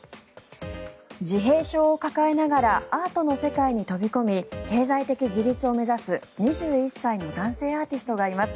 自閉症を抱えながらアートの世界に飛び込み経済的自立を目指す２１歳の男性アーティストがいます。